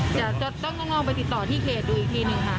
แต่ต้องลองไปติดต่อที่เกจดูอีกทีนึงค่ะ